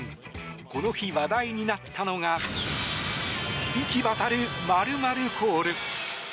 この日、話題になったのが響き渡る○○コール。